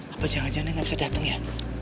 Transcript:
apa jangan jangan nggak bisa datang ya